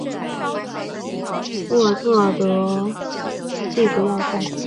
沃特福德地处要冲。